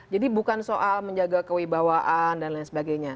jadi bukan soal menjaga kewibawaan dan lain sebagainya